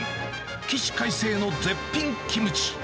起死回生の絶品キムチ。